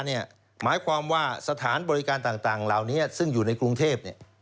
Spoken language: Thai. หมายความว่าสถานบริการต่างเหล่านี้ซึ่งอยู่ในกรุงเทพ